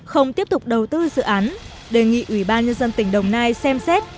không tiếp tục đầu tư dự án đề nghị ủy ban nhân dân tỉnh đồng nai xem xét